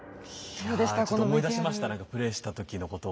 いやちょっと思い出しましたねプレイした時のことを。